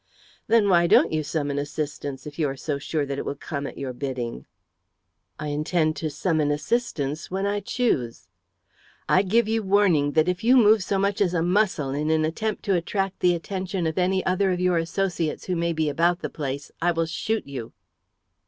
"Then why don't you summon assistance, if you are so sure that it will come at your bidding?" "I intend to summon assistance when I choose." "I give you warning that, if you move so much as a muscle in an attempt to attract the attention of any other of your associates who may be about the place, I will shoot you!"